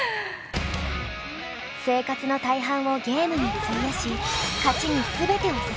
生活の大半をゲームに費やし